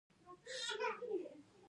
کمپیوټر پوهان شته دي.